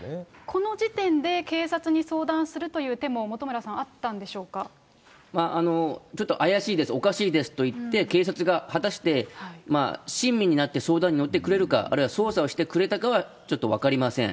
この時点で、警察に相談するという手も、本村さん、ちょっと怪しいです、おかしいですと言って、警察が果たして、親身になって相談に乗ってくれるか、あるいは捜査をしてくれたかはちょっと分かりません。